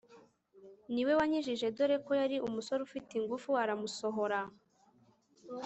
niwe wankijije doreko yari umusore ufite ingufu aramusohora